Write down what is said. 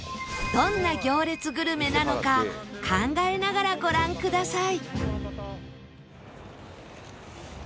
どんな行列グルメなのか考えながらご覧ください